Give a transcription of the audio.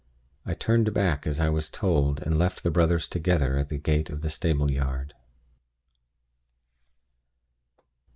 I turned back as I was told, and left the brothers together at the gate of the stable yard.